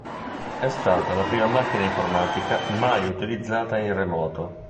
È stata la prima macchina informatica mai utilizzata in remoto.